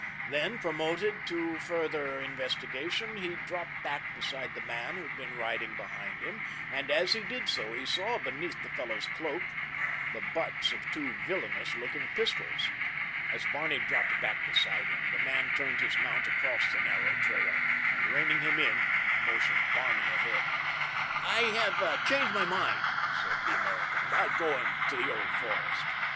Then, prompted to further investigation, he dropped back beside the man who had been riding behind him, and as he did so he saw beneath the fellow's cloak the butts of two villainous looking pistols. As Barney dropped back beside him the man turned his mount across the narrow trail, and reining him in motioned Barney ahead. "I have changed my mind," said the American, "about going to the Old Forest."